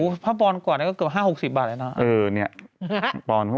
ผ้าปอนกว่านั้นก็เกือบ๕๖๐บาทเลยนะ